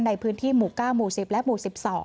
ในพื้นที่หมู่๙หมู่๑๐และหมู่๑๒